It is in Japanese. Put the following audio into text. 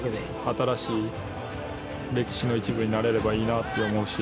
新しい歴史の一部になれればいいなと思うし。